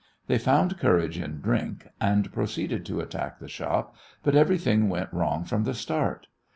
They found courage in drink, and proceeded to attack the shop, but everything went wrong from the start.